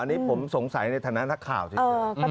อันนี้ผมสงสัยในฐานะธักข่าวชิคกี้พาย